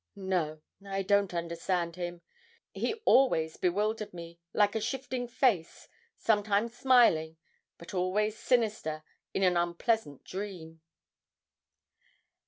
No; I don't understand him. He always bewildered me, like a shifting face, sometimes smiling, but always sinister, in an unpleasant dream.'